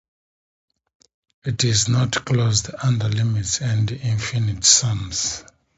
It is not closed under limits and infinite sums.